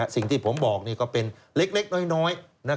สิ่งที่ผมบอกก็เป็นเล็กน้อย